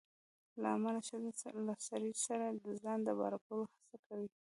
له امله ښځې له سړي سره د ځان د برابرولو هڅه کړې